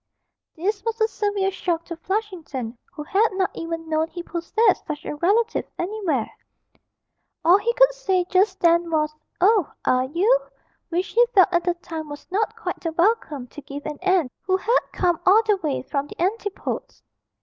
This was a severe shock to Flushington, who had not even known he possessed such a relative anywhere; all he could say just then was, 'Oh, are you?' which he felt at the time was not quite the welcome to give an aunt who had come all the way from the Antipodes.